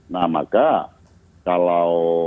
nah maka kalau